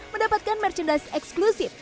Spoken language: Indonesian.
mendapatkan merchandise eksklusif